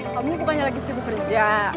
kamu bukannya lagi sibuk kerja